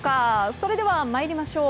それでは参りましょう。